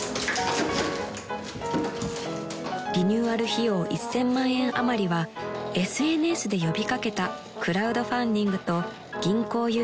［リニューアル費用１，０００万円あまりはＳＮＳで呼び掛けたクラウドファンディングと銀行融資］